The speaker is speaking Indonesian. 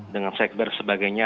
dengan sekber sebagainya